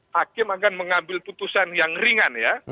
hakim akan mengambil putusan yang ringan ya